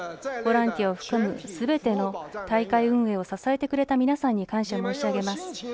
ボランティアを含むすべての大会運営を支えてくれた皆さんに感謝を申し上げます。